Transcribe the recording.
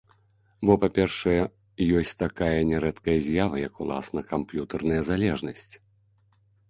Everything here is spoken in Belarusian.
Бо, па-першае, ёсць такая нярэдкая з'ява, як уласна камп'ютарная залежнасць.